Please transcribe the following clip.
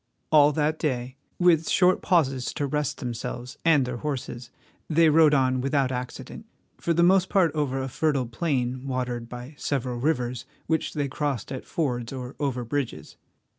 All that day, with short pauses to rest themselves and their horses, they rode on without accident, for the most part over a fertile plain watered by several rivers which they crossed at fords or over bridges.